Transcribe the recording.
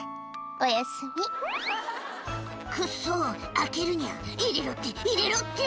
おやすみ「クッソ開けるニャ入れろって入れろって」